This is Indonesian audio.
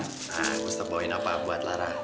nah ustaz bawain apa buat lara